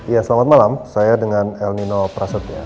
ya selamat malam saya dengan elnino prasetya